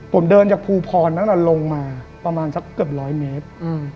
ผมเดินจากภูพรนั้นลงมาประมาณสักเกือบร้อยเมตร